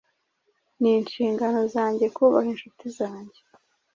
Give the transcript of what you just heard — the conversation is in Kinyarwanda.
ni inshingano zanjye kubaha inshuti yanjye